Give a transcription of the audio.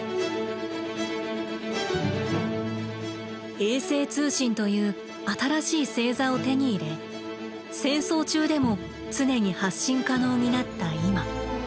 衛星通信という新しい「星座」を手に入れ戦争中でも常に発信可能になった今。